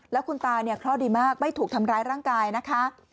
แล้วคุณตาเนี่ยเคราะห์ดีมากไม่ถูกทำร้ายร่างกายนะคะ